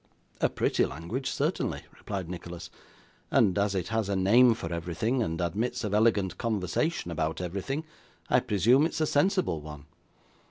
'A pretty language, certainly,' replied Nicholas; 'and as it has a name for everything, and admits of elegant conversation about everything, I presume it is a sensible one.